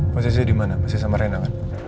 posisi dia di mana masih sama rena kan